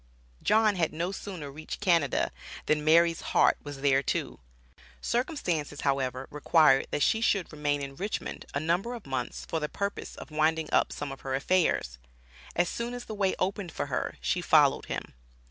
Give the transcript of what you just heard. John had no sooner reached Canada than Mary's heart was there too. Circumstances, however, required that she should remain in Richmond a number of months for the purpose of winding up some of her affairs. As soon as the way opened for her, she followed him.